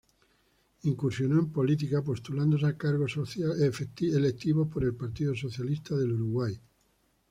Incursionó en política, postulándose a cargos electivos por el Partido Socialista del Uruguay.